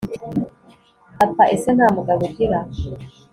Papa ese ntamugabo ugira